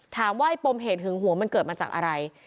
ถามว่าไอ้ปมเหตุหึงหัวมันเกิดมาจากอะไร